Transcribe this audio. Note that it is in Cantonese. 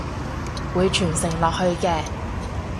會傳承落去嘅！